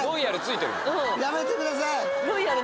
やめてください！